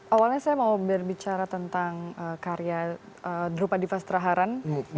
awalnya saya mau berbicara tentang karya drupadipas traharan